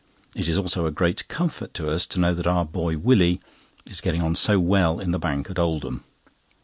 It is also a great comfort to us to know that our boy Willie is getting on so well in the Bank at Oldham.